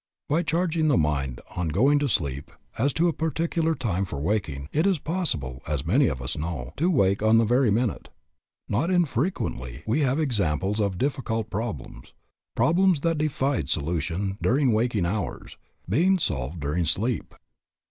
By charging the mind on going to sleep as to a particular time for waking, it is possible, as many of us know, to wake on the very minute. Not infrequently we have examples of difficult problems, problems that defied solution during waking hours, being solved during sleep.